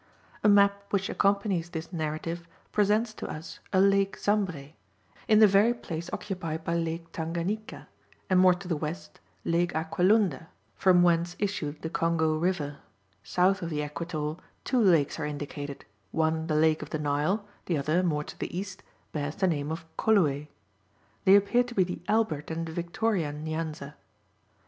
A map which accompanies this narrative presents to us a Lake Zambré, in the very place occupied by Lake Tanganyika, and more to the west, Lake Acque Lunda, from whence issued the Congo River; south of the equator two lakes are indicated, one the Lake of the Nile, the other, more to the east, bears the name of Colué; they appear to be the Albert and the Victoria Nyanza.